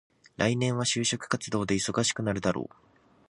来年は就職活動で忙しくなるだろう。